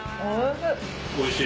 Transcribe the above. おいしい！